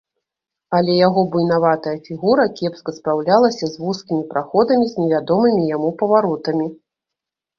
Але яго буйнаватая фігура кепска спраўлялася з вузкімі праходамі, з невядомымі яму паваротамі.